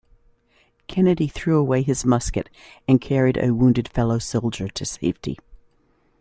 Kennedy threw away his musket, and carried a wounded fellow-soldier to safety.